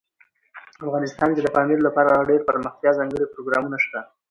افغانستان کې د پامیر لپاره دپرمختیا ځانګړي پروګرامونه شته.